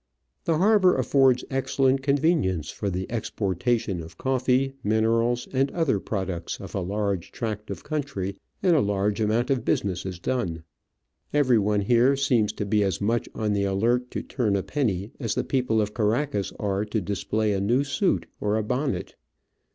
The harbour affords excellent convenience for the exportation of coffee, minerals, and other products of a large tract of country, and a large amount of business is done. Everyone here seems to be as much on the alert to turn a penny as the people of Caracas are to display a new suit or a bonnet.